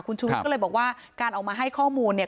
คุณชูวิทย์ก็เลยบอกว่าการออกมาให้ข้อมูลเนี่ย